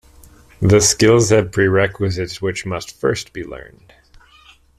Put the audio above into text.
The skills have prerequisites which must first be learned.